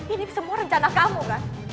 ini semua rencana kamu kan